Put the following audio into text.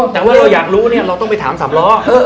แต่ว่าเราอยากรู้เนี่ยเราต้องไปถามสามล้อ